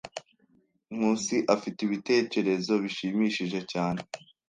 Nkusi afite ibitekerezo bishimishije cyane.